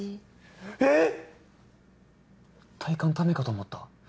えっ⁉体感タメかと思った。